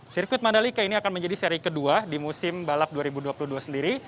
sirkuit mandalika ini akan menjadi seri kedua di musim balap dua ribu dua puluh dua sendiri